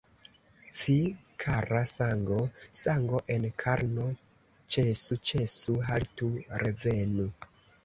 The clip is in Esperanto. Ci, kara sango, sango en karno, ĉesu, ĉesu, haltu, revenu!